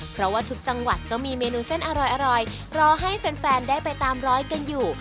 เพราะว่าทุกจังหวัดก็มีเมนูเส้นอร่อยรอให้แฟนได้ไปตามร้อยกันอยู่